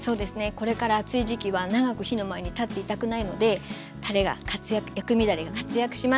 これから暑い時期は長く火の前に立っていたくないのでたれが薬味だれが活躍します。